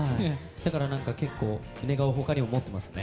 だから結構、寝顔は他にも持ってますね。